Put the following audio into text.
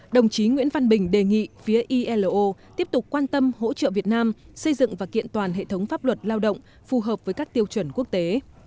đồng chí nguyễn văn bình đề nghị phía ilo tiếp tục quan tâm hỗ trợ việt nam xây dựng và kiện toàn hệ thống pháp luật lao động phù hợp với các tiêu chuẩn quốc tế